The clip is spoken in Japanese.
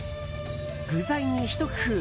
具材に、ひと工夫。